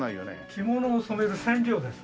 着物を染める染料です。